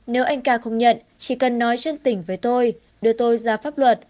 nếu anh ca không nhận chỉ cần nói trên tỉnh với tôi đưa tôi ra pháp luật